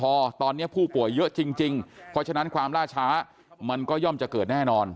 พอตอนนี้ผู้ป่วยเยอะจริงเพราะฉะนั้นความล่าช้ามันก็ย่อมจะเกิดแน่นอน